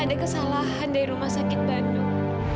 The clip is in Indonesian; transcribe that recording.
ada kesalahan dari rumah sakit bandung